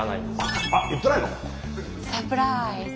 サプライズ！